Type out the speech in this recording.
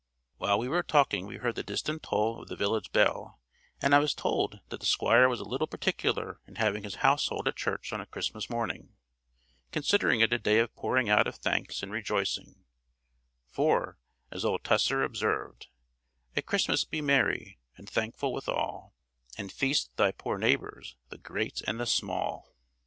While we were talking we heard the distant toll of the village bell, and I was told that the Squire was a little particular in having his household at church on a Christmas morning; considering it a day of pouring out of thanks and rejoicing; for, as old Tusser observed, "At Christmas be merry, and thankful withal, And feast thy poor neighbours, the great and the small."